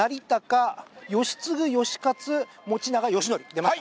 出ました！